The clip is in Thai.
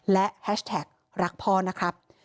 และแฮชแท็กรักพ่อนะครับ